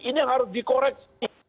ini yang harus dikoreksi